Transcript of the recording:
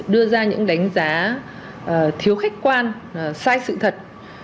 đưa ra những đánh giá thiếu khách quan sai sự thật